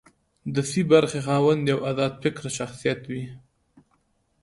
د سي برخې خاوند یو ازاد فکره شخصیت وي.